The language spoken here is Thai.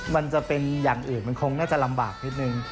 มันจะเป็นอย่างอื่นมันคงน่าจะลำบากนิดนึง